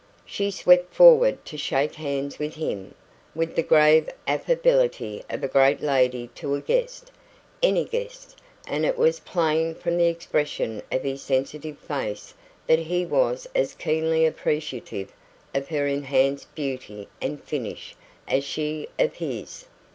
She swept forward to shake hands with him, with the grave affability of a great lady to a guest any guest and it was plain from the expression of his sensitive face that he was as keenly appreciative of her enhanced beauty and 'finish' as she of his.